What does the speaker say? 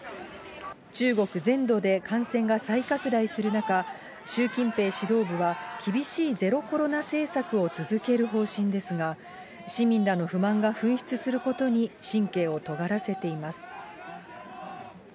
中国全土で感染が再拡大する中、習近平指導部は厳しいゼロコロナ政策を続ける方針ですが、市民らの不満が噴出することに神経をとがらせています。